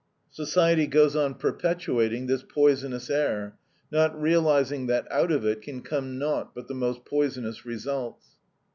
Society goes on perpetuating this poisonous air, not realizing that out of it can come naught but the most poisonous results.